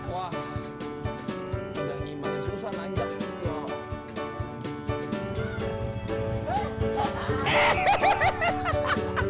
wah ini paling susah manjat